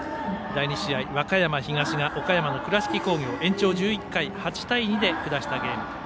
第２試合、和歌山東が岡山の倉敷工業を延長１１回、８対２で下したゲーム。